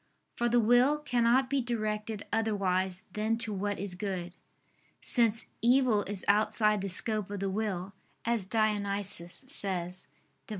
For the will cannot be directed otherwise than to what is good: since "evil is outside the scope of the will," as Dionysius says (Div.